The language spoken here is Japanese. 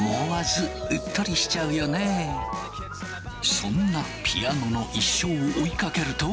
そんなピアノの一生を追いかけると。